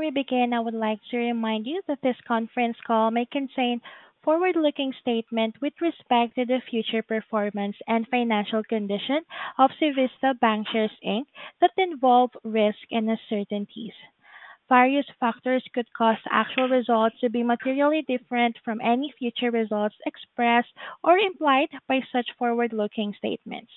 Before we begin, I would like to remind you that this conference call may contain forward-looking statements with respect to the future performance and financial condition of Civista Bancshares that involve risk and uncertainties. Various factors could cause actual results to be materially different from any future results expressed or implied by such forward-looking statements.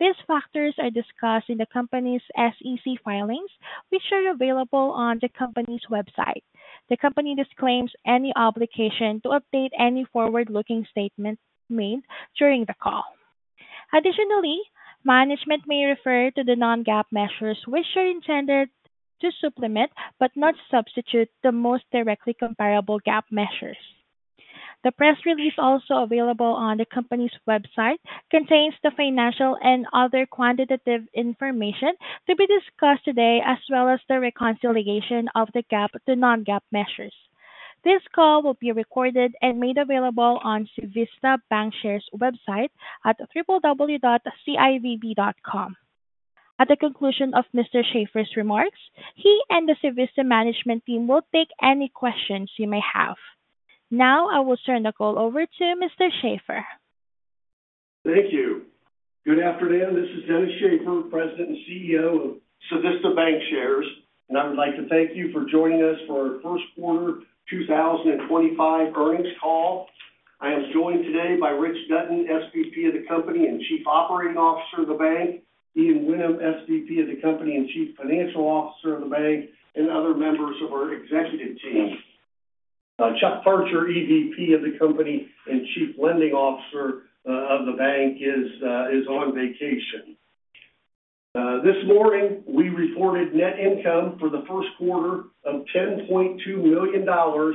These factors are discussed in the company's SEC filings, which are available on the company's website. The company disclaims any obligation to update any forward-looking statement made during the call. Additionally, management may refer to the Non-GAAP measures, which are intended to supplement but not substitute the most directly comparable GAAP measures. The press release also available on the company's website contains the financial and other quantitative information to be discussed today, as well as the reconciliation of the GAAP to Non-GAAP measures. This call will be recorded and made available on Civista Bancshares' website at www.civb.com. At the conclusion of Mr. Shaffer's remarks, he and the Civista management team will take any questions you may have. Now, I will turn the call over to Mr. Shaffer. Thank you. Good afternoon. This is Dennis Shaffer, President and CEO of Civista Bancshares, and I would like to thank you for joining us for our first quarter 2025 earnings call. I am joined today by Rich Dutton, SVP of the company and Chief Operating Officer of the bank, Ian Whinnem, SVP of the company and Chief Financial Officer of the bank, other members of our executive team, Chuck Parcher, evp of the company and Chief Lending Officer of the bank, is on vacation. This morning, we reported net income for the first quarter of $10.2 million or $0.66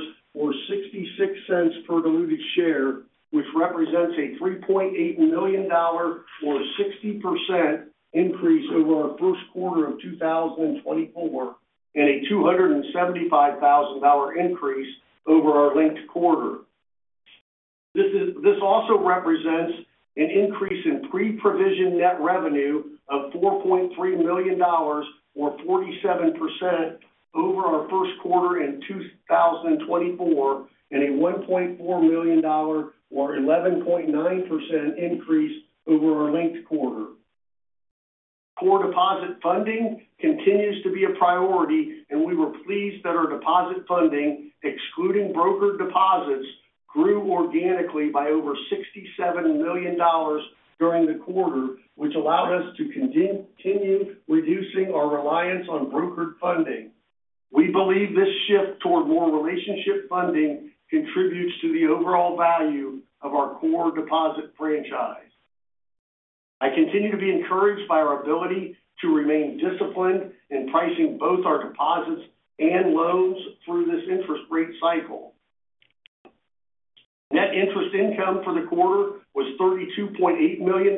per diluted share, which represents a $3.8 million or 60% increase over our first quarter of 2024 and a $275,000 increase over our linked quarter. This also represents an increase in pre-provision net revenue of $4.3 million or 47% over our first quarter in 2024 and a $1.4 million or 11.9% increase over our linked quarter. Core deposit funding continues to be a priority, and we were pleased that our deposit funding, excluding brokered deposits, grew organically by over $67 million during the quarter, which allowed us to continue reducing our reliance on brokered funding. We believe this shift toward more relationship funding contributes to the overall value of our core deposit franchise. I continue to be encouraged by our ability to remain disciplined in pricing both our deposits and loans through this interest rate cycle. Net interest income for the quarter was $32.8 million,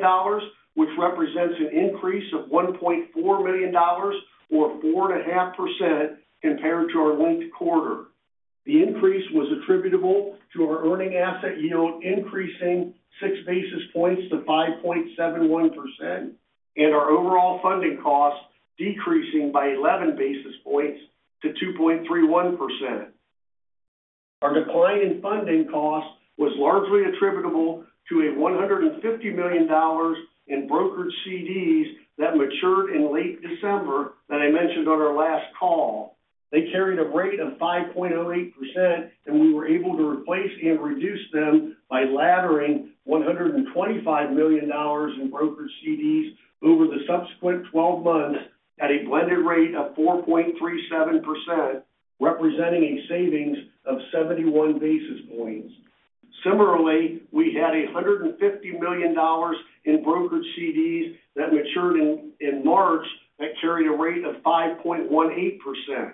which represents an increase of $1.4 million or 4.5% compared to our linked quarter. The increase was attributable to our earning asset yield increasing six basis points to 5.71% and our overall funding costs decreasing by 11 basis points to 2.31%. Our decline in funding costs was largely attributable to $150 million in brokered CDs that matured in late December that I mentioned on our last call. They carried a rate of 5.08%, and we were able to replace and reduce them by laddering $125 million in brokered CDs over the subsequent 12 months at a blended rate of 4.37%, representing a savings of 71 basis points. Similarly, we had $150 million in brokered CDs that matured in March that carried a rate of 5.18%.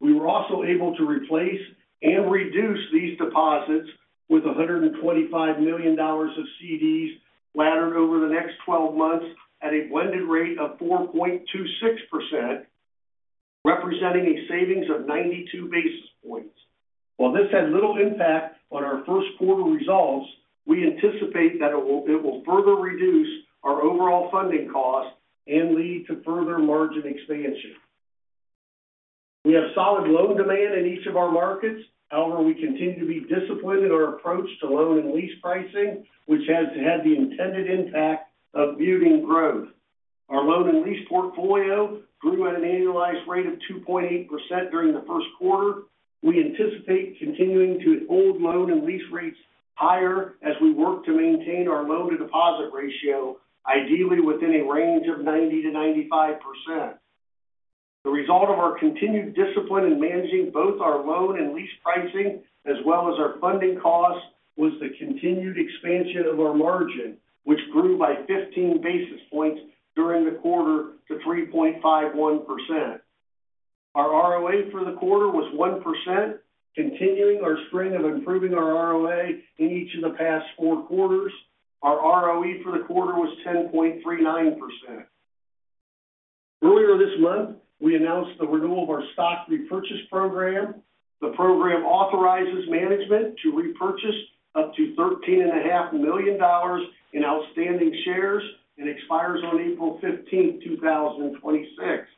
We were also able to replace and reduce these deposits with $125 million of CDs laddered over the next 12 months at a blended rate of 4.26%, representing a savings of 92 basis points. While this had little impact on our first quarter results, we anticipate that it will further reduce our overall funding costs and lead to further margin expansion. We have solid loan demand in each of our markets. However, we continue to be disciplined in our approach to loan and lease pricing, which has had the intended impact of muting growth. Our loan and lease portfolio grew at an annualized rate of 2.8% during the first quarter. We anticipate continuing to hold loan and lease rates higher as we work to maintain our loan-to-deposit ratio, ideally within a range of 90%-95%. The result of our continued discipline in managing both our loan and lease pricing, as well as our funding costs, was the continued expansion of our margin, which grew by 15 basis points during the quarter to 3.51%. Our ROA for the quarter was 1%, continuing our string of improving our ROA in each of the past four quarters. Our ROE for the quarter was 10.39%. Earlier this month, we announced the renewal of our stock repurchase program. The program authorizes management to repurchase up to $13.5 million in outstanding shares and expires on April 15, 2026.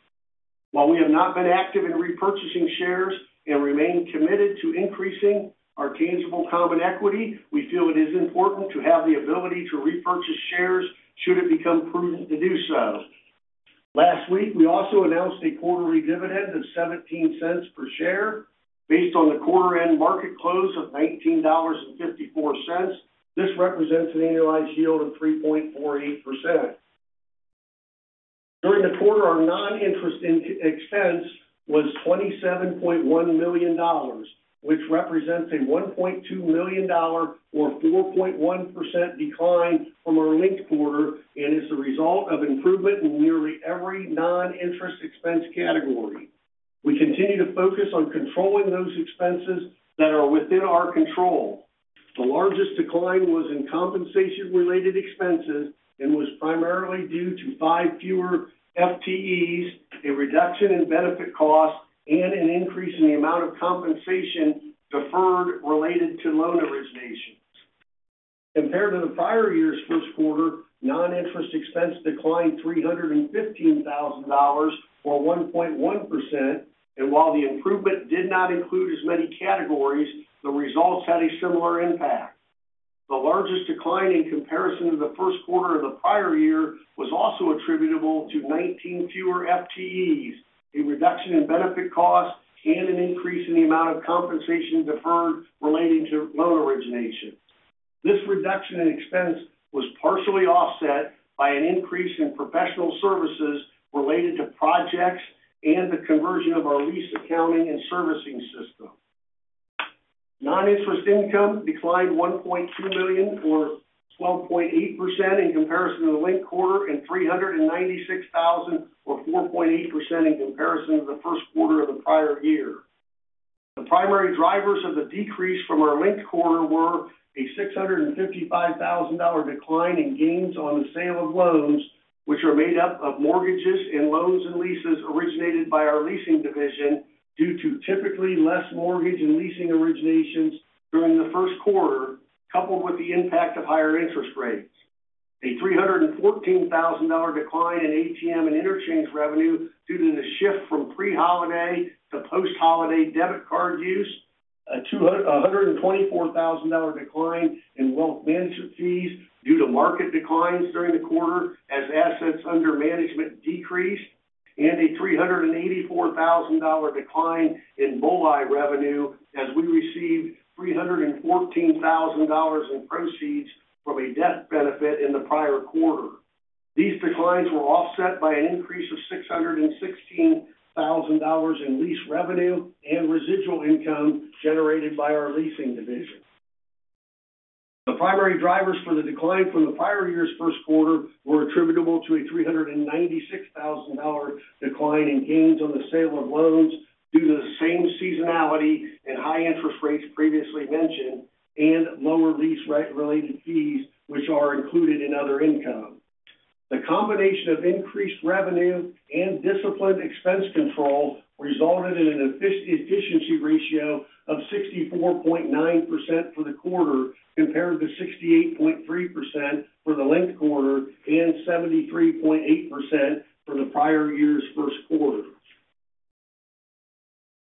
While we have not been active in repurchasing shares and remain committed to increasing our tangible common equity, we feel it is important to have the ability to repurchase shares should it become prudent to do so. Last week, we also announced a quarterly dividend of $0.17 per share. Based on the quarter-end market close of $19.54, this represents an annualized yield of 3.48%. During the quarter, our non-interest expense was $27.1 million, which represents a $1.2 million or 4.1% decline from our linked quarter and is the result of improvement in nearly every non-interest expense category. We continue to focus on controlling those expenses that are within our control. The largest decline was in compensation-related expenses and was primarily due to five fewer FTEs, a reduction in benefit costs, and an increase in the amount of compensation deferred related to loan origination. Compared to the prior year's first quarter, non-interest expense declined $315,000 or 1.1%, and while the improvement did not include as many categories, the results had a similar impact. The largest decline in comparison to the first quarter of the prior year was also attributable to 19 fewer FTEs, a reduction in benefit costs, and an increase in the amount of compensation deferred relating to loan origination. This reduction in expense was partially offset by an increase in professional services related to projects and the conversion of our lease accounting and servicing system. Non-interest income declined $1.2 million or 12.8% in comparison to the linked quarter and $396,000 or 4.8% in comparison to the first quarter of the prior year. The primary drivers of the decrease from our linked quarter were a $655,000 decline in gains on the sale of loans, which are made up of mortgages and loans and leases originated by our leasing division due to typically less mortgage and leasing originations during the first quarter, coupled with the impact of higher interest rates. A $314,000 decline in ATM and interchange revenue due to the shift from pre-holiday to post-holiday debit card use, a $124,000 decline in wealth management fees due to market declines during the quarter as assets under management decreased, and a $384,000 decline in BOLI revenue as we received $314,000 in proceeds from a death benefit in the prior quarter. These declines were offset by an increase of $616,000 in lease revenue and residual income generated by our leasing division. The primary drivers for the decline from the prior year's first quarter were attributable to a $396,000 decline in gains on the sale of loans due to the same seasonality and high interest rates previously mentioned and lower lease-related fees, which are included in other income. The combination of increased revenue and disciplined expense control resulted in an efficiency ratio of 64.9% for the quarter compared to 68.3% for the linked quarter and 73.8% for the prior year's first quarter.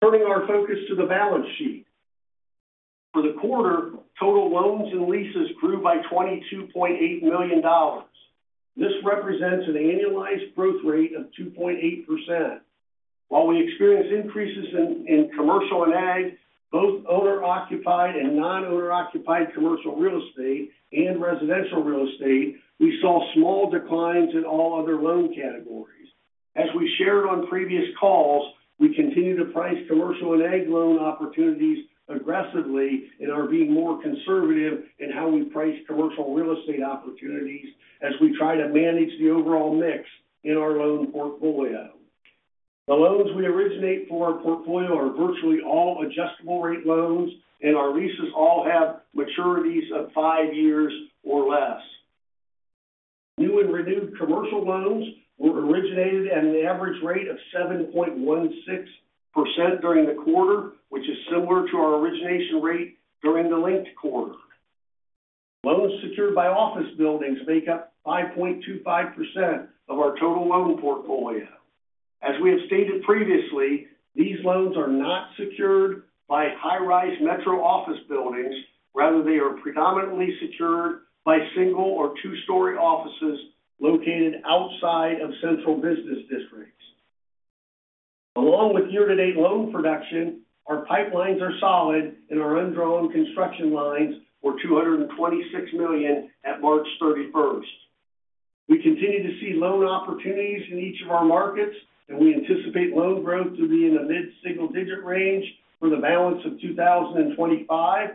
Turning our focus to the balance sheet. For the quarter, total loans and leases grew by $22.8 million. This represents an annualized growth rate of 2.8%. While we experienced increases in commercial and ag, both owner-occupied and non-owner-occupied commercial real estate and residential real estate, we saw small declines in all other loan categories. As we shared on previous calls, we continue to price commercial and ag loan opportunities aggressively and are being more conservative in how we price commercial real estate opportunities as we try to manage the overall mix in our loan portfolio. The loans we originate for our portfolio are virtually all adjustable-rate loans, and our leases all have maturities of five years or less. New and renewed commercial loans were originated at an average rate of 7.16% during the quarter, which is similar to our origination rate during the linked quarter. Loans secured by office buildings make up 5.25% of our total loan portfolio. As we have stated previously, these loans are not secured by high-rise metro office buildings. Rather, they are predominantly secured by single or two-story offices located outside of central business districts. Along with year-to-date loan production, our pipelines are solid, and our undrawn construction lines were $226 million at March 31st. We continue to see loan opportunities in each of our markets, and we anticipate loan growth to be in the mid-single-digit range for the balance of 2025.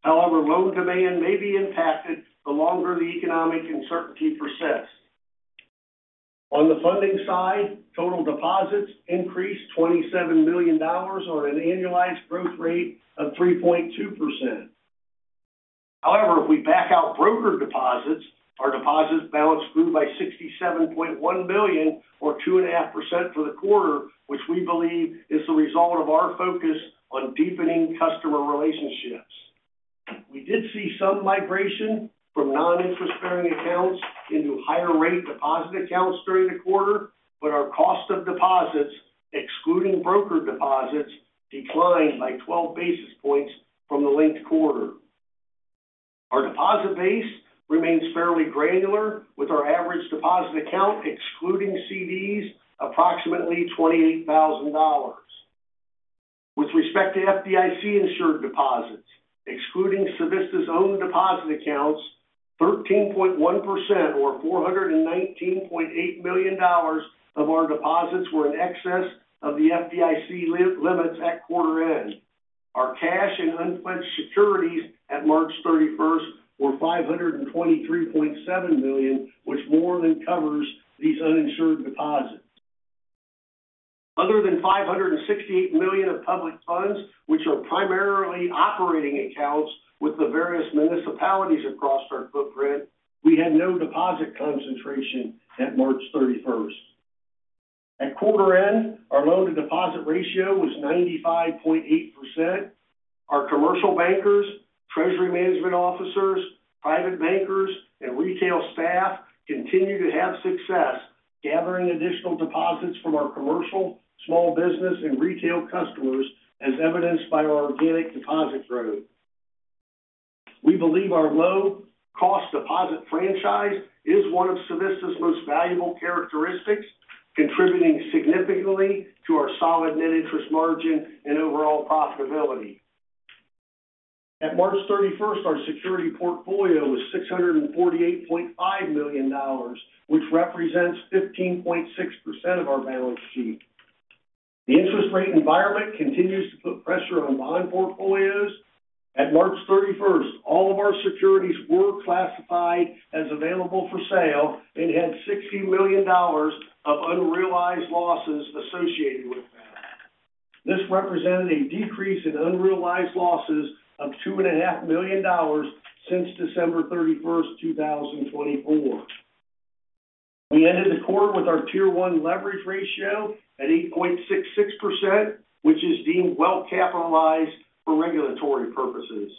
However, loan demand may be impacted the longer the economic uncertainty persists. On the funding side, total deposits increased $27 million on an annualized growth rate of 3.2%. However, if we back out brokered deposits, our deposits balance grew by $67.1 million or 2.5% for the quarter, which we believe is the result of our focus on deepening customer relationships. We did see some migration from non-interest-bearing accounts into higher-rate deposit accounts during the quarter, but our cost of deposits, excluding brokered deposits, declined by 12 basis points from the linked quarter. Our deposit base remains fairly granular, with our average deposit account, excluding CDs, approximately $28,000. With respect to FDIC-insured deposits, excluding Civista's own deposit accounts, 13.1% or $419.8 million of our deposits were in excess of the FDIC limits at quarter-end. Our cash and unpledged securities at March 31 were $523.7 million, which more than covers these uninsured deposits. Other than $568 million of public funds, which are primarily operating accounts with the various municipalities across our footprint, we had no deposit concentration at March 31. At quarter-end, our loan-to-deposit ratio was 95.8%. Our commercial bankers, treasury management officers, private bankers, and retail staff continue to have success gathering additional deposits from our commercial, small business, and retail customers, as evidenced by our organic deposit growth. We believe our low-cost deposit franchise is one of Civista's most valuable characteristics, contributing significantly to our solid net interest margin and overall profitability. At March 31, our security portfolio was $648.5 million, which represents 15.6% of our balance sheet. The interest rate environment continues to put pressure on bond portfolios. At March 31st, all of our securities were classified as available for sale and had $60 million of unrealized losses associated with them. This represented a decrease in unrealized losses of $2.5 million since December 31st, 2024. We ended the quarter with our Tier 1 leverage ratio at 8.66%, which is deemed well-capitalized for regulatory purposes.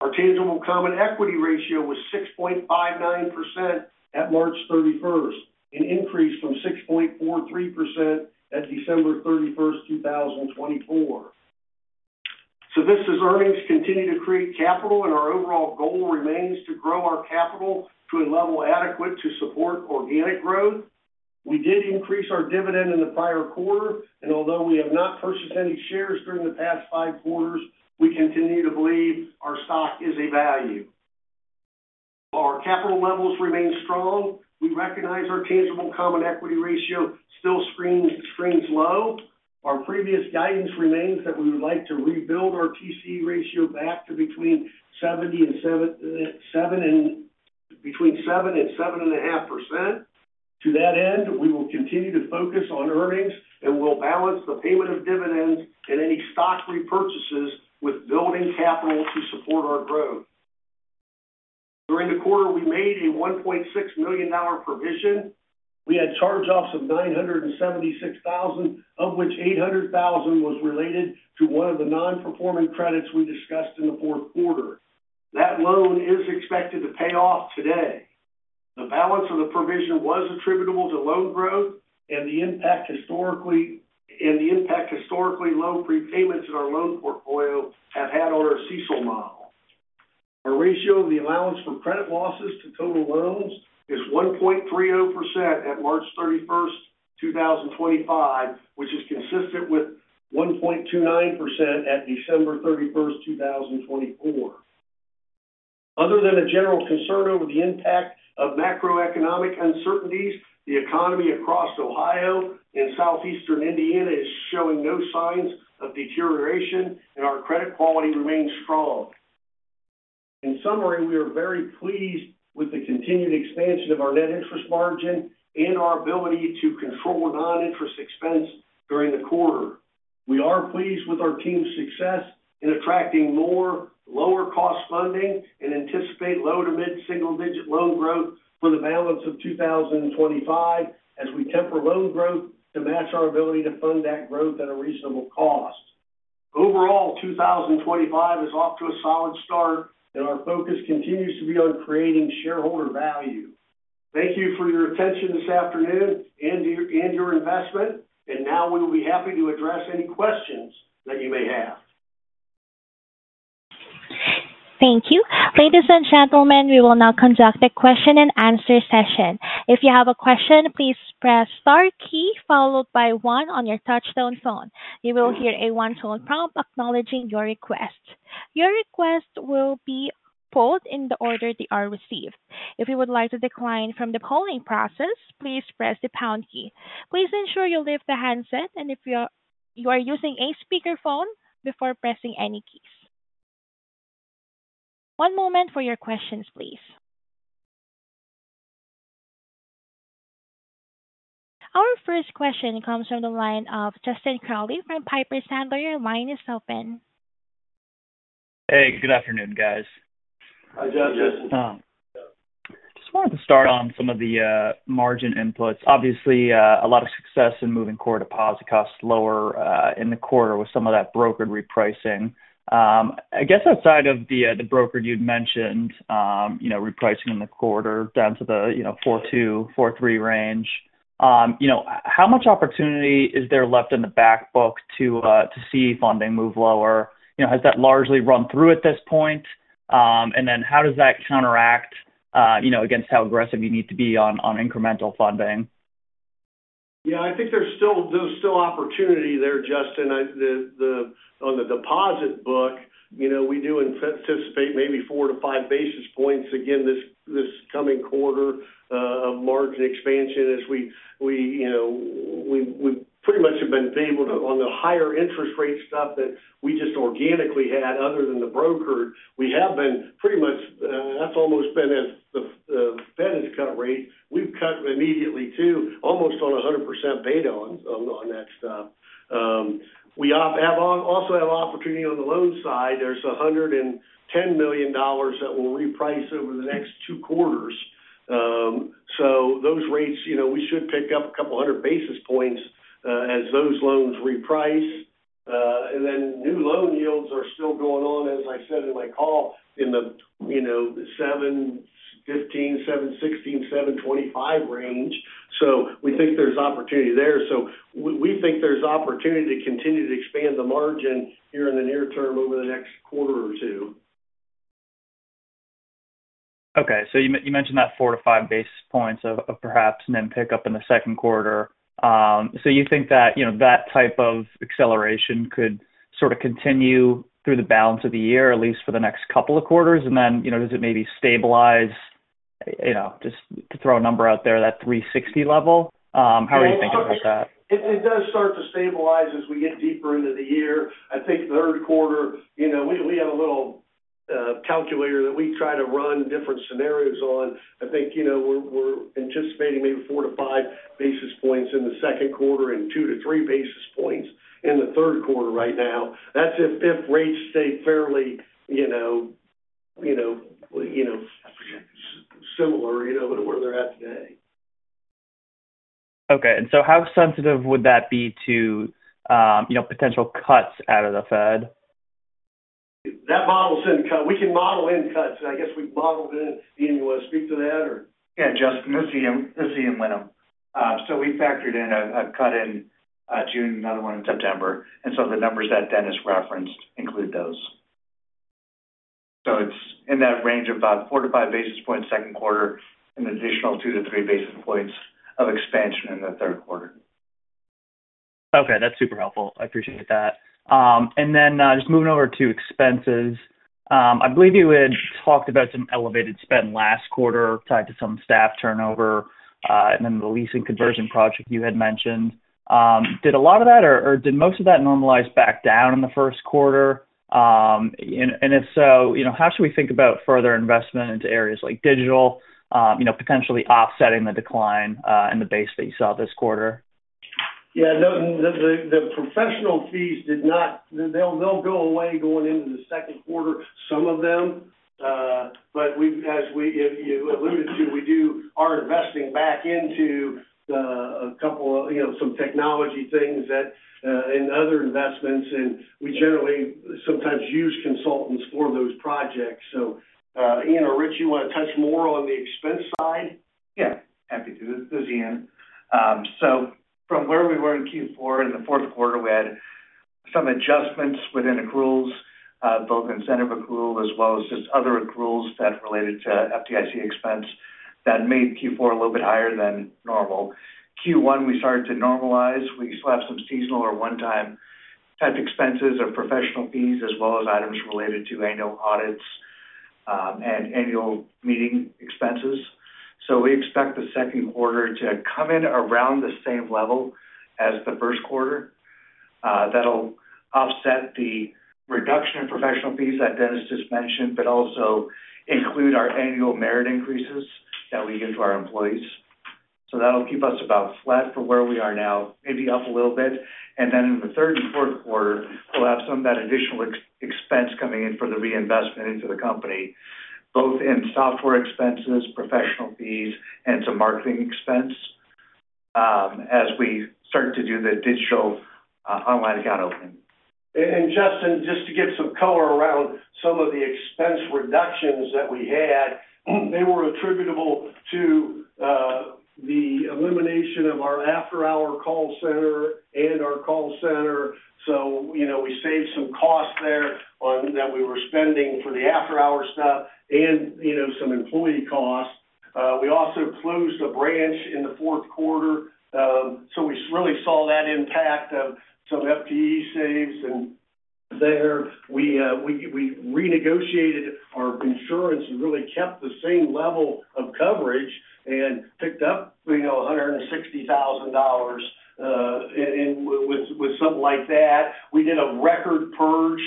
Our tangible common equity ratio was 6.59% at March 31st, an increase from 6.43% at December 31st, 2024. Civista's earnings continue to create capital, and our overall goal remains to grow our capital to a level adequate to support organic growth. We did increase our dividend in the prior quarter, and although we have not purchased any shares during the past five quarters, we continue to believe our stock is a value. While our capital levels remain strong, we recognize our tangible common equity ratio still screams low. Our previous guidance remains that we would like to rebuild our TCE ratio back to between 7%-7.5%. To that end, we will continue to focus on earnings, and we'll balance the payment of dividends and any stock repurchases with building capital to support our growth. During the quarter, we made a $1.6 million provision. We had charge-offs of $976,000, of which $800,000 was related to one of the non-performing credits we discussed in the fourth quarter. That loan is expected to pay off today. The balance of the provision was attributable to loan growth and the impact historically low prepayments in our loan portfolio have had on our CECL model. Our ratio of the allowance for credit losses to total loans is 1.30% at March 31, 2025, which is consistent with 1.29% at December 31, 2024. Other than a general concern over the impact of macroeconomic uncertainties, the economy across Ohio and southeastern Indiana is showing no signs of deterioration, and our credit quality remains strong. In summary, we are very pleased with the continued expansion of our net interest margin and our ability to control non-interest expense during the quarter. We are pleased with our team's success in attracting more lower-cost funding and anticipate low to mid-single-digit loan growth for the balance of 2025 as we temper loan growth to match our ability to fund that growth at a reasonable cost. Overall, 2025 is off to a solid start, and our focus continues to be on creating shareholder value. Thank you for your attention this afternoon and your investment, and now we will be happy to address any questions that you may have. Thank you. Ladies and gentlemen, we will now conduct a question-and-answer session. If you have a question, please press the star key followed by one on your touch-tone phone. You will hear a one-tone prompt acknowledging your request. Your request will be pulled in the order they are received. If you would like to decline from the polling process, please press the pound key. Please ensure you leave the handset, and if you are using a speakerphone, before pressing any keys. One moment for your questions, please. Our first question comes from the line of Justin Crowley from Piper Sandler. Line is open. Hey, good afternoon, guys. Hi, Justin. Just wanted to start on some of the margin inputs. Obviously, a lot of success in moving core deposit costs lower in the quarter with some of that brokered repricing. I guess outside of the broker you'd mentioned, repricing in the quarter down to the 4.2-4.3 range, how much opportunity is there left in the back book to see funding move lower? Has that largely run through at this point? How does that counteract against how aggressive you need to be on incremental funding? Yeah, I think there's still opportunity there, Justin. On the deposit book, we do anticipate maybe four to five basis points again this coming quarter of margin expansion as we pretty much have been able to, on the higher interest rate stuff that we just organically had other than the brokered, we have been pretty much, that's almost been as the Fed has cut rate. We've cut immediately too, almost on 100% paid on that stuff. We also have opportunity on the loan side. There's $110 million that will reprice over the next two quarters. Those rates, we should pick up a couple hundred basis points as those loans reprice. New loan yields are still going on, as I said in my call, in the 7.15-7.16-7.25 range. We think there's opportunity there. We think there's opportunity to continue to expand the margin here in the near term over the next quarter or two. Okay. You mentioned that four to five basis points of perhaps an impact up in the second quarter. You think that that type of acceleration could sort of continue through the balance of the year, at least for the next couple of quarters? Does it maybe stabilize, just to throw a number out there, that 360 level? How are you thinking about that? It does start to stabilize as we get deeper into the year. I think third quarter, we have a little calculator that we try to run different scenarios on. I think we're anticipating maybe four to five basis points in the second quarter and two to three basis points in the third quarter right now. That's if rates stay fairly similar to where they're at today. Okay. How sensitive would that be to potential cuts out of the Fed? That model's in cut. We can model in cuts. I guess we modeled in. Do you want to speak to that or? Yeah, Justin, this is Ian Whinnem. We factored in a cut in June, another one in September. The numbers that Dennis referenced include those. It is in that range of about four to five basis points second quarter and additional two to three basis points of expansion in the third quarter. Okay. That is super helpful. I appreciate that. Just moving over to expenses, I believe you had talked about some elevated spend last quarter tied to some staff turnover and then the leasing conversion project you had mentioned. Did a lot of that or did most of that normalize back down in the first quarter? If so, how should we think about further investment into areas like digital, potentially offsetting the decline in the base that you saw this quarter? Yeah. The professional fees did not, they will go away going into the second quarter, some of them. As you alluded to, we are investing back into a couple of some technology things and other investments, and we generally sometimes use consultants for those projects. Ian or Rich, you want to touch more on the expense side? Yeah. Happy to. This is Ian. From where we were in Q4, in the fourth quarter, we had some adjustments within accruals, both incentive accrual as well as just other accruals that related to FDIC expense that made Q4 a little bit higher than normal. Q1, we started to normalize. We slapped some seasonal or one-time type expenses of professional fees as well as items related to annual audits and annual meeting expenses. We expect the second quarter to come in around the same level as the first quarter. That'll offset the reduction in professional fees that Dennis just mentioned, but also include our annual merit increases that we give to our employees. That'll keep us about flat for where we are now, maybe up a little bit. In the third and fourth quarter, we'll have some of that additional expense coming in for the reinvestment into the company, both in software expenses, professional fees, and some marketing expense as we start to do the digital online account opening. Justin, just to get some color around some of the expense reductions that we had, they were attributable to the elimination of our after-hour call center and our call center. We saved some costs there that we were spending for the after-hour stuff and some employee costs. We also closed a branch in the fourth quarter. We really saw that impact of some FTE saves in there. We renegotiated our insurance and really kept the same level of coverage and picked up $160,000 or something like that. We did a record purge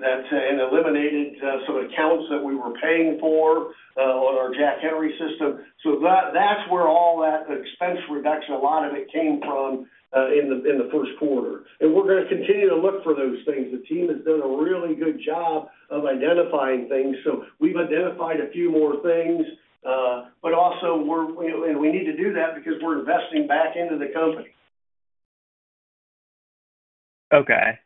that eliminated some accounts that we were paying for on our Jack Henry system. That is where all that expense reduction, a lot of it, came from in the first quarter. We are going to continue to look for those things. The team has done a really good job of identifying things. We have identified a few more things, but also we need to do that because we are investing back into the company. Okay.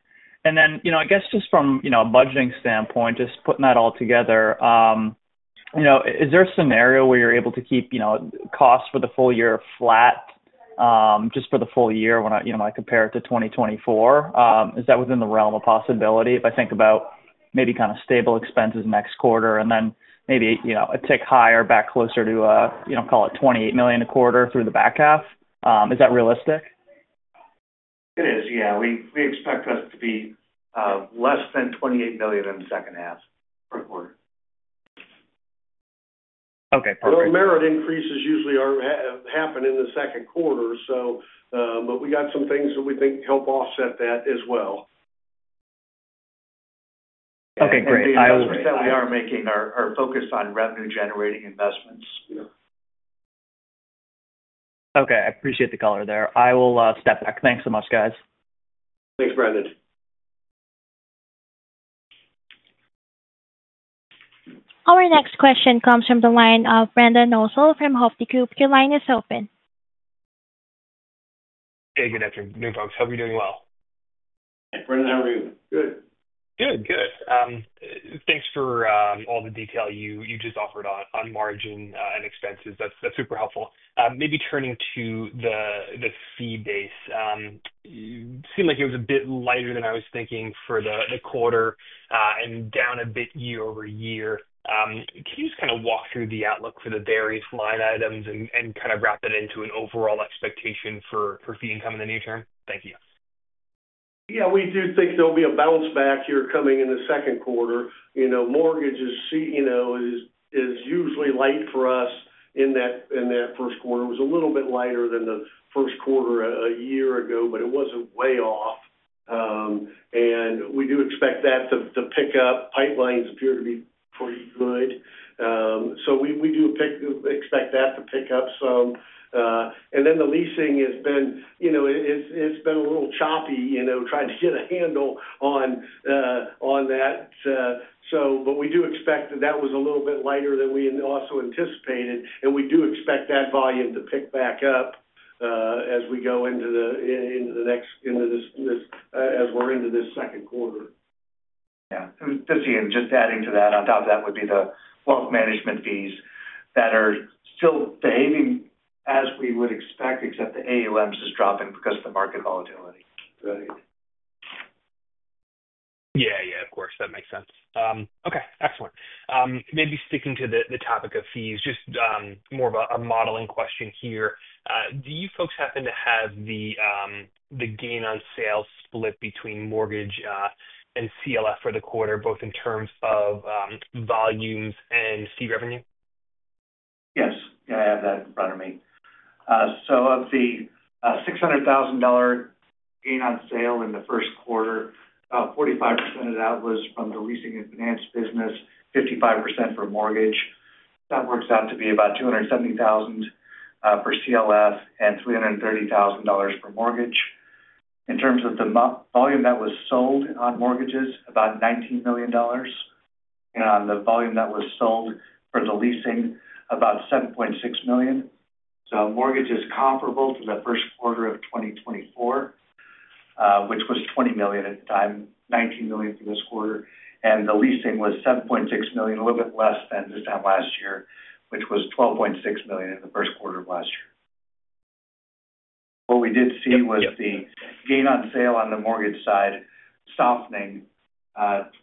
I guess just from a budgeting standpoint, just putting that all together, is there a scenario where you're able to keep costs for the full year flat just for the full year when I compare it to 2024? Is that within the realm of possibility if I think about maybe kind of stable expenses next quarter and then maybe a tick higher back closer to, call it, $28 million a quarter through the back half? Is that realistic? It is, yeah. We expect us to be less than $28 million in the second half per quarter. Okay. Perfect. Those merit increases usually happen in the second quarter, but we got some things that we think help offset that as well. Okay. Great. I will. That we are making our focus on revenue-generating investments. Okay. I appreciate the color there. I will step back. Thanks so much, guys. Thanks, Justin. Our next question comes from the line of Brendan Nosal from Hovde Group. Your line is open. Hey, good afternoon, folks. Hope you're doing well. Hey, Brendan. How are you? Good. Good, good. Thanks for all the detail you just offered on margin and expenses. That's super helpful. Maybe turning to the fee base, it seemed like it was a bit lighter than I was thinking for the quarter and down a bit year-over-year. Can you just kind of walk through the outlook for the various line items and kind of wrap it into an overall expectation for fee income in the near term? Thank you. Yeah. We do think there'll be a bounce back here coming in the second quarter. Mortgages is usually light for us in that first quarter. It was a little bit lighter than the first quarter a year ago, but it was not way off. We do expect that to pick up. Pipelines appear to be pretty good. We do expect that to pick up some. The leasing has been a little choppy, trying to get a handle on that. We do expect that was a little bit lighter than we also anticipated. We do expect that volume to pick back up as we go into the next as we are into this second quarter. Yeah. This is Ian. Just adding to that, on top of that would be the wealth management fees that are still behaving as we would expect, except the AUMs is dropping because of the market volatility. Right. Yeah, yeah. Of course. That makes sense. Okay. Excellent. Maybe sticking to the topic of fees, just more of a modeling question here. Do you folks happen to have the gain on sales split between mortgage and CLF for the quarter, both in terms of volumes and fee revenue? Yes. Yeah, I have that in front of me. Of the $600,000 gain on sale in the first quarter, 45% of that was from the leasing and finance business, 55% for mortgage. That works out to be about $270,000 for CLF and $330,000 for mortgage. In terms of the volume that was sold on mortgages, about $19 million. On the volume that was sold for the leasing, about $7.6 million. Mortgage is comparable to the first quarter of 2024, which was $20 million at the time, $19 million for this quarter. The leasing was $7.6 million, a little bit less than this time last year, which was $12.6 million in the first quarter of last year. What we did see was the gain on sale on the mortgage side softening.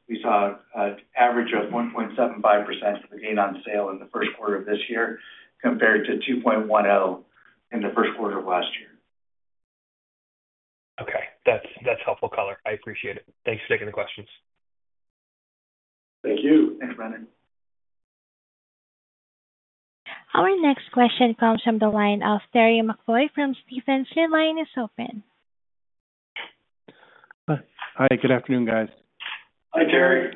We saw an average of 1.75% for the gain on sale in the first quarter of this year compared to 2.1% in the first quarter of last year. Okay. That's helpful color. I appreciate it. Thanks for taking the questions. Thank you. Thanks, Brendan. Our next question comes from the line of Terry McEvoy from Stephens. Line is open. Hi. Good afternoon, guys. Hi, Terry.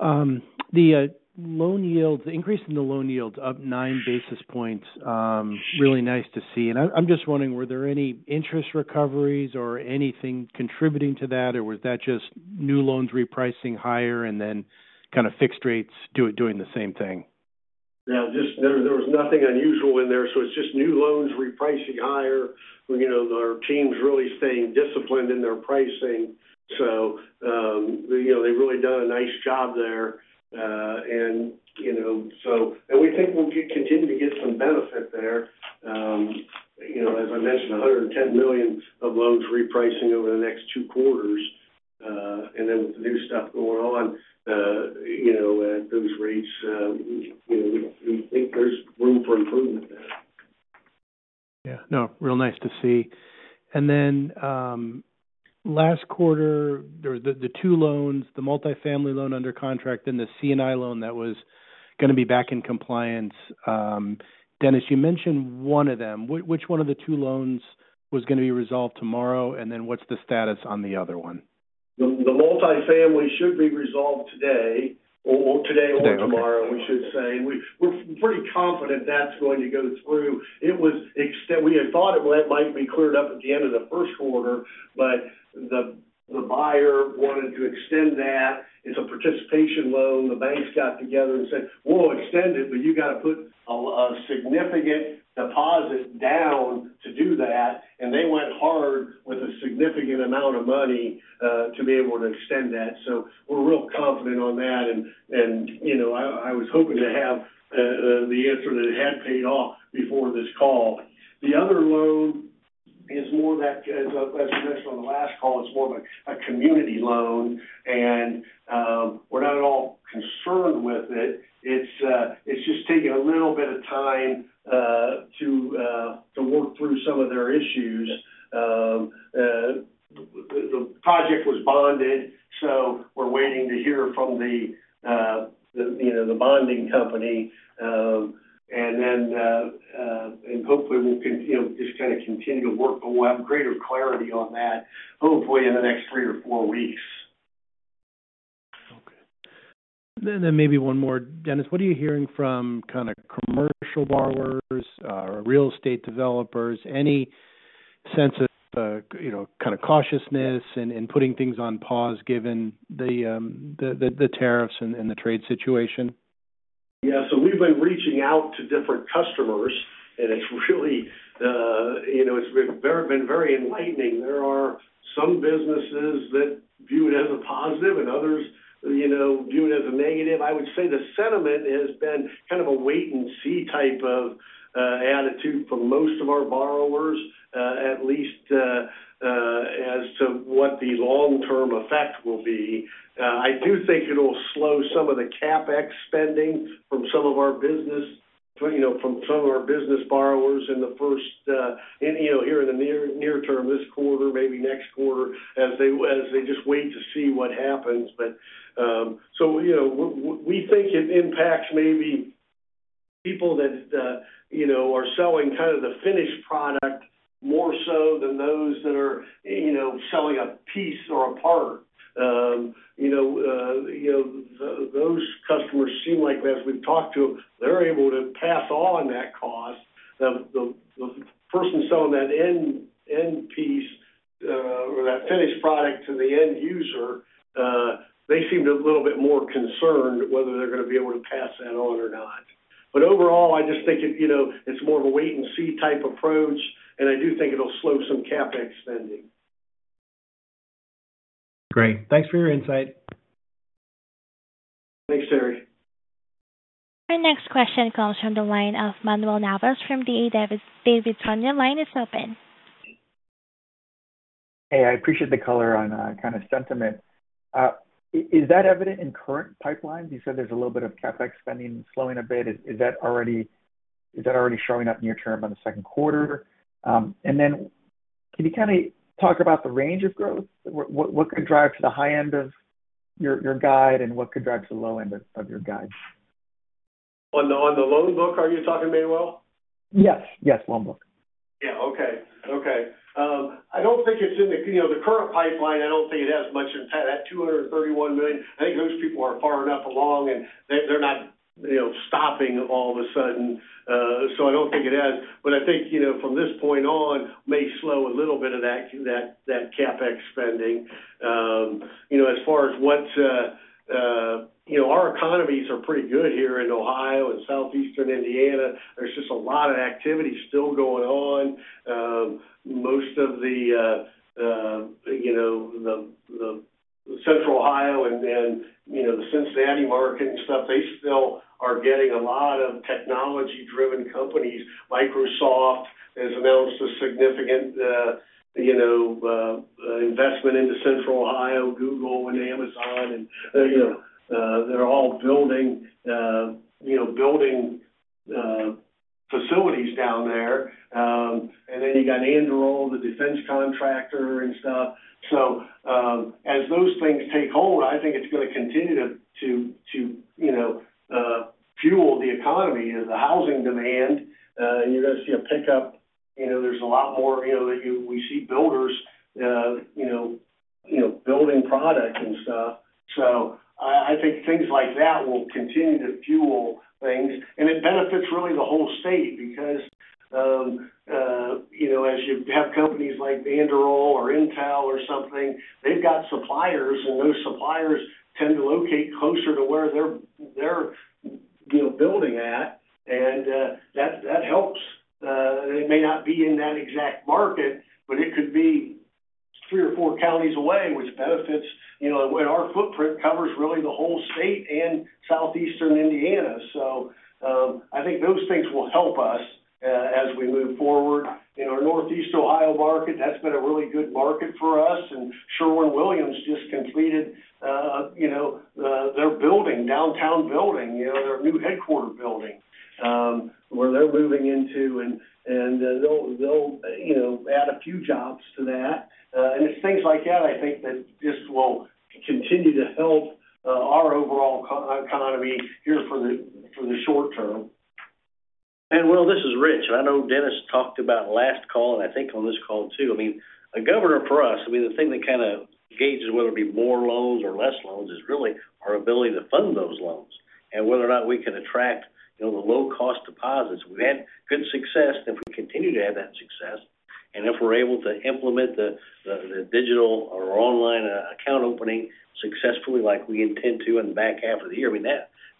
Hi. The loan yields, increase in the loan yields up nine basis points. Really nice to see. I'm just wondering, were there any interest recoveries or anything contributing to that, or was that just new loans repricing higher and then kind of fixed rates doing the same thing? Yeah. There was nothing unusual in there. It's just new loans repricing higher. Our team's really staying disciplined in their pricing. They've really done a nice job there. We think we'll continue to get some benefit there. As I mentioned, $110 million of loans repricing over the next two quarters. With the new stuff going on at those rates, we think there's room for improvement there. Yeah. No, real nice to see. Last quarter, there were the two loans, the multifamily loan under contract and the C&I loan that was going to be back in compliance. Dennis, you mentioned one of them. Which one of the two loans was going to be resolved tomorrow, and then what's the status on the other one? The multifamily should be resolved today, or today or tomorrow, we should say. We're pretty confident that's going to go through. We had thought it might be cleared up at the end of the first quarter, but the buyer wanted to extend that. It's a participation loan. The banks got together and said, "We'll extend it, but you got to put a significant deposit down to do that." They went hard with a significant amount of money to be able to extend that. We're real confident on that. I was hoping to have the answer that it had paid off before this call. The other loan is more that, as I mentioned on the last call, it's more of a community loan. We're not at all concerned with it. It's just taking a little bit of time to work through some of their issues. The project was bonded, so we're waiting to hear from the bonding company. Hopefully we'll just kind of continue to work, but we'll have greater clarity on that, hopefully in the next three or four weeks. Okay. Maybe one more, Dennis, what are you hearing from kind of commercial borrowers, real estate developers? Any sense of kind of cautiousness in putting things on pause given the tariffs and the trade situation? Yeah. We've been reaching out to different customers, and it's really been very enlightening. There are some businesses that view it as a positive and others view it as a negative. I would say the sentiment has been kind of a wait-and-see type of attitude for most of our borrowers, at least as to what the long-term effect will be. I do think it'll slow some of the CapEx spending from some of our business, from some of our business borrowers in the first, here in the near term, this quarter, maybe next quarter, as they just wait to see what happens. We think it impacts maybe people that are selling kind of the finished product more so than those that are selling a piece or a part. Those customers seem like, as we've talked to them, they're able to pass on that cost. The person selling that end piece or that finished product to the end user, they seem a little bit more concerned whether they're going to be able to pass that on or not. Overall, I just think it's more of a wait-and-see type approach, and I do think it'll slow some CapEx spending. Great. Thanks for your insight. Thanks, Terry. Our next question comes from the line of Manuel Navas from D.A. Davidson. Line is open. Hey, I appreciate the color on kind of sentiment. Is that evident in current pipelines? You said there's a little bit of CapEx spending slowing a bit. Is that already showing up near term on the second quarter? Can you kind of talk about the range of growth? What could drive to the high end of your guide, and what could drive to the low end of your guide? On the loan book, are you talking to, Manuel? Yes. Yes. Loan book. Yeah. Okay. I don't think it's in the current pipeline. I don't think it has much impact. That $231 million, I think those people are far enough along, and they're not stopping all of a sudden. I don't think it has. I think from this point on, may slow a little bit of that CapEx spending. As far as what our economies are, pretty good here in Ohio and southeastern Indiana. There's just a lot of activity still going on. Most of the central Ohio and the Cincinnati market and stuff, they still are getting a lot of technology-driven companies. Microsoft has announced a significant investment into central Ohio, Google and Amazon. They're all building facilities down there. You got Anduril, the defense contractor and stuff. As those things take hold, I think it's going to continue to fuel the economy, the housing demand. You're going to see a pickup. There's a lot more that we see builders building product and stuff. I think things like that will continue to fuel things. It benefits really the whole state because as you have companies like Anduril or Intel or something, they've got suppliers, and those suppliers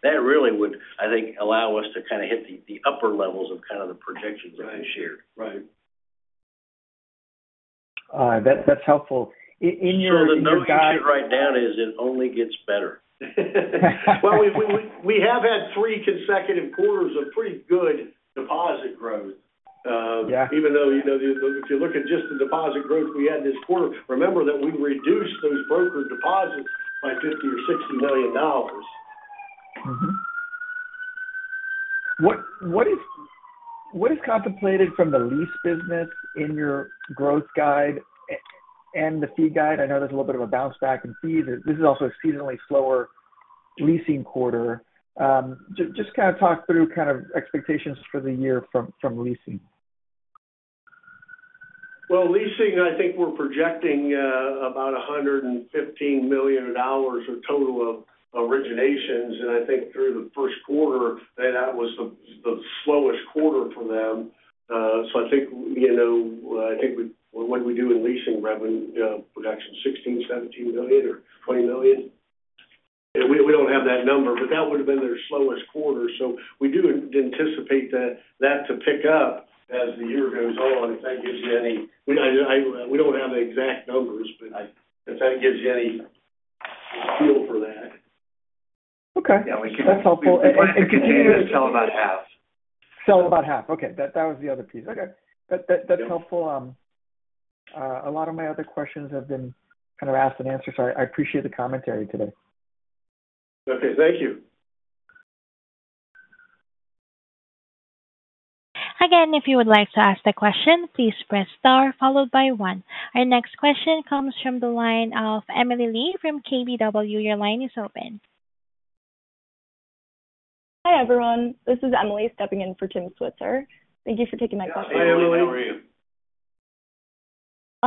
that really would, I think, allow us to kind of hit the upper levels of the projections that you shared. Right. That's helpful. In your guide. The note you should write down is it only gets better. We have had three consecutive quarters of pretty good deposit growth. Even though if you look at just the deposit growth we had this quarter, remember that we reduced those brokered deposits by $50 million or $60 million. What is contemplated from the lease business in your growth guide and the fee guide? I know there is a little bit of a bounce back in fees. This is also a seasonally slower leasing quarter. Just kind of talk through expectations for the year from leasing. Leasing, I think we are projecting about $115 million of total originations. I think through the first quarter, that was the slowest quarter for them. What did we do in leasing revenue? Projection $16 million, $17 million, or $20 million? We do not have that number, but that would have been their slowest quarter. We do anticipate that to pick up as the year goes on. If that gives you any—we do not have exact numbers, but if that gives you any feel for that. Okay. That is helpful. Continue to sell about half. Sell about half. Okay. That was the other piece. Okay. That is helpful. A lot of my other questions have been kind of asked and answered. I appreciate the commentary today. Okay. Thank you. Again, if you would like to ask the question, please press star followed by one. Our next question comes from the line of Emily Lee from KBW. Your line is open. Hi, everyone. This is Emily stepping in for Tim Switzer. Thank you for taking my call. Hi, Emily. How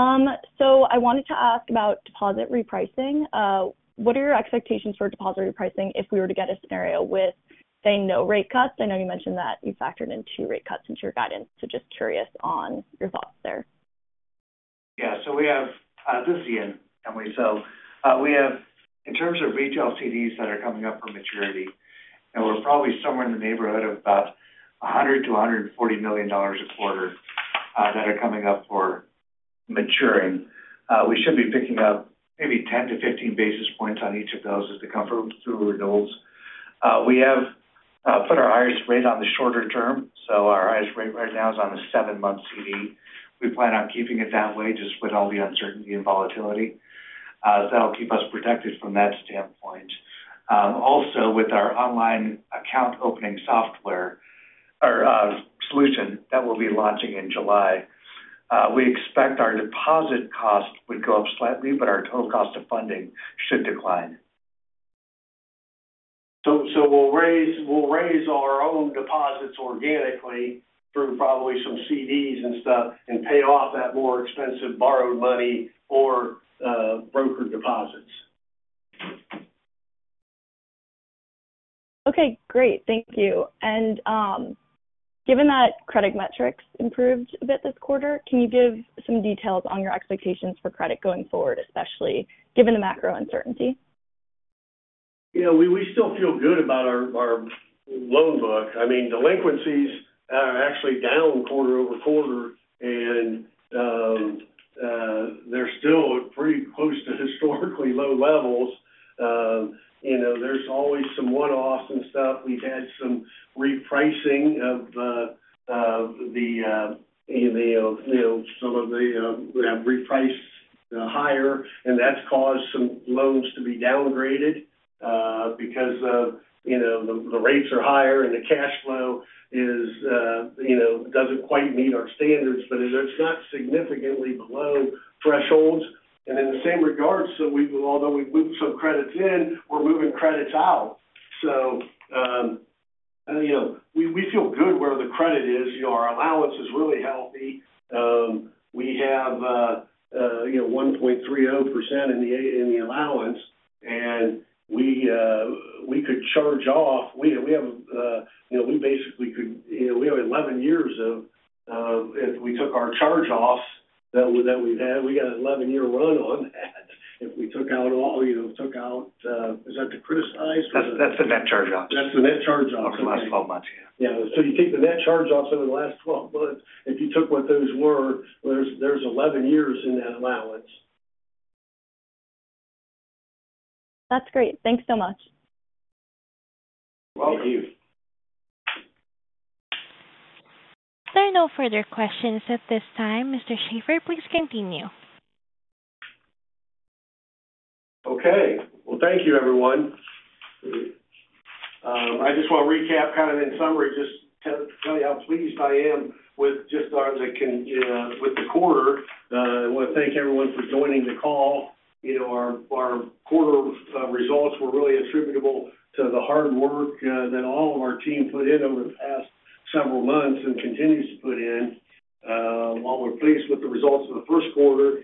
are you? I wanted to ask about deposit repricing. What are your expectations for deposit repricing if we were to get a scenario with, say, no rate cuts? I know you mentioned that you factored in two rate cuts into your guidance. Just curious on your thoughts there. Yeah. This is the end, Emily. In terms of retail CDs that are coming up for maturity, we're probably somewhere in the neighborhood of about $100 million-$140 million a quarter that are coming up for maturing. We should be picking up maybe 10-15 basis points on each of those as they come through renewals. We have put our highest rate on the shorter term. Our highest rate right now is on the seven-month CD. We plan on keeping it that way just with all the uncertainty and volatility. That will keep us protected from that standpoint. Also, with our online account opening software or solution that we will be launching in July, we expect our deposit cost would go up slightly, but our total cost of funding should decline. We will raise our own deposits organically through probably some CDs and stuff and pay off that more expensive borrowed money or broker deposits. Okay. Great. Thank you. Given that credit metrics improved a bit this quarter, can you give some details on your expectations for credit going forward, especially given the macro uncertainty? Yeah. We still feel good about our loan book. I mean, delinquencies are actually down quarter-over-quarter, and they are still pretty close to historically low levels. There is always some one-offs and stuff. We've had some repricing of the—some of the we have repriced higher, and that's caused some loans to be downgraded because the rates are higher and the cash flow doesn't quite meet our standards, but it's not significantly below thresholds. In the same regards, although we've moved some credits in, we're moving credits out. We feel good where the credit is. Our allowance is really healthy. We have 1.30% in the allowance, and we could charge off. We have a—we basically could—we have 11 years of—if we took our charge-offs that we've had, we got an 11-year run on that. If we took out all—took out, is that to criticize? That's the net charge-off. That's the net charge-off over the last 12 months. Yeah. Yeah. You take the net charge-offs over the last 12 months. If you took what those were, there's 11 years in that allowance. That's great. Thanks so much. Thank you. There are no further questions at this time. Mr. Shaffer, please continue. Thank you, everyone. I just want to recap kind of in summary, just tell you how pleased I am with just the quarter. I want to thank everyone for joining the call. Our quarter results were really attributable to the hard work that all of our team put in over the past several months and continues to put in. While we're pleased with the results of the first quarter,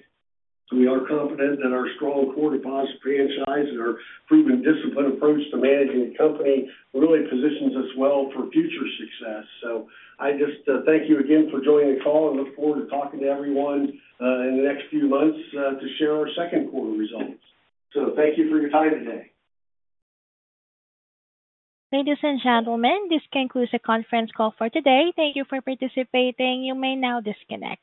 we are confident that our strong core deposit franchise and our proven discipline approach to managing the company really positions us well for future success. I just thank you again for joining the call. I look forward to talking to everyone in the next few months to share our second quarter results. Thank you for your time today. Ladies and gentlemen, this concludes the conference call for today. Thank you for participating. You may now disconnect.